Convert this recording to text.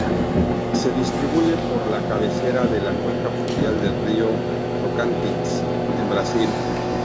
Se distribuye por la cabecera de la cuenca fluvial del río Tocantins, en Brasil.